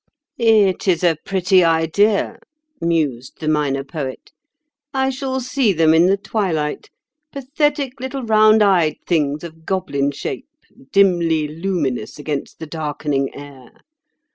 "It is a pretty idea," mused the Minor Poet. "I shall see them in the twilight: pathetic little round eyed things of goblin shape, dimly luminous against the darkening air.